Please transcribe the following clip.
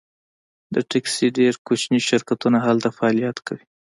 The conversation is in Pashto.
د ټکسي ډیر کوچني شرکتونه هلته فعالیت کوي